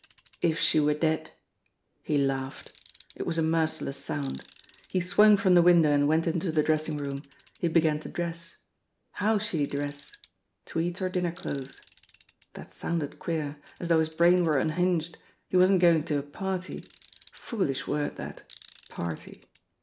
If she were dead! He laughed! It was a merciless sound. He swung from the window and went into the dressing room. He began to dress. How should he dress ? Tweeds or dinner clothes ? That sounded queer as though his brain were unhinged. He wasn't going to a party ! Foolish word that party